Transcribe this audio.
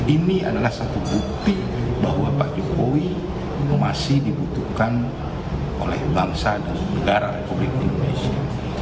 ini adalah satu bukti bahwa pak jokowi masih dibutuhkan oleh bangsa dan negara republik indonesia